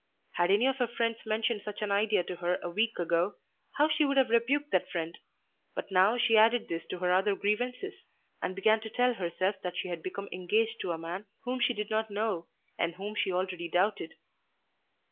Had any of her friends mentioned such an idea to her a week ago, how she would have rebuked that friend! But now she added this to her other grievances, and began to tell herself that she had become engaged to a man whom she did not know and whom she already doubted.